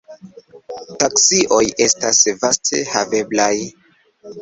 Taksioj estas vaste haveblaj.